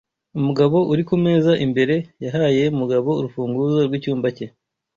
Umugabo uri kumeza imbere yahaye Mugabo urufunguzo rwicyumba cye.